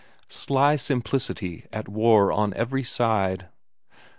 Sly simplicity at war on every side.